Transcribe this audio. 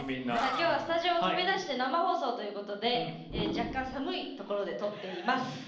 今日はスタジオを飛び出して生放送ということで若干、寒いところで撮っています。